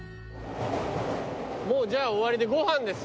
もうじゃあ終わりでご飯です。